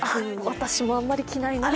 私もあんまり着ないな。